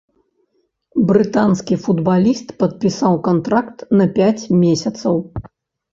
Брытанскі футбаліст падпісаў кантракт на пяць месяцаў.